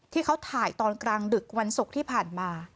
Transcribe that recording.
ที่เขาถ่ายตอนกลางดึกวันศุกร์ที่ผ่านมา